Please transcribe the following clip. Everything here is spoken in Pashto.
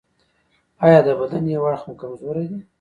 ایا د بدن یو اړخ مو کمزوری دی؟